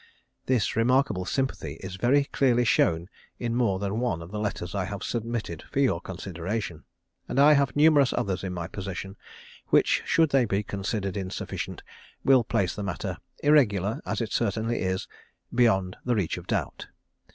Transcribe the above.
This remarkable sympathy is very clearly shown in more than one of the letters I have submitted for your consideration, and I have numerous others in my possession which, should they be considered insufficient, will place the matter, irregular as it certainly is, beyond the reach of doubt.